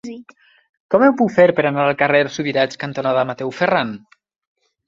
Com ho puc fer per anar al carrer Subirats cantonada Mateu Ferran?